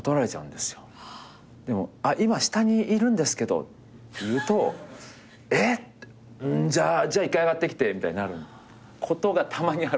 でも今下にいるんですけどって言うと「えっ！？じゃあ１回上がってきて」みたいになることがたまにあるんです。